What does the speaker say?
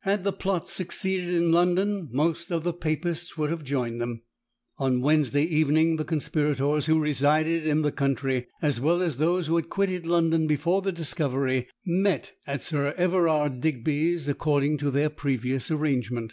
Had the plot succeeded in London, most of the Papists would have joined them. On Wednesday evening the conspirators who resided in the country, as well as those who had quitted London before the discovery, met at Sir Everard Digby's according to their previous arrangement.